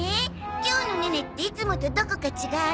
今日のネネっていつもとどこか違わない？